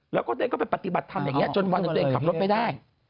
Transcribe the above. แล้วก็ไปปฏิบัติธรรมอย่างนี้จนวันนั้นตัวเองขับรถไม่ได้